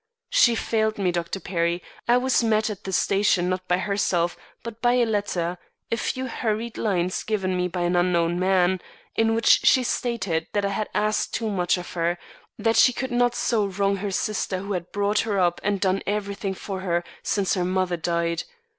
She failed me, Dr. Perry. I was met at the station not by herself, but by a letter a few hurried lines given me by an unknown man in which she stated that I had asked too much of her, that she could not so wrong her sister who had brought her up and done everything for her since her mother died.